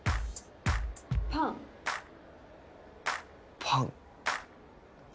パンパン？